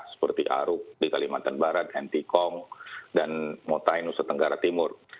seperti aruk di kalimantan barat entikong dan montainus setenggara timur